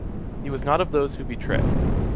He was not of those who betray.